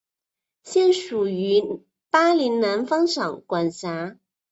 现属于巴林南方省管辖。